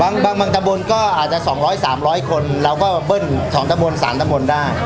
บางบางบางตำบลก็อาจจะสองร้อยสามร้อยคนเราก็เบิ้ลสองตำบลสามตำบลได้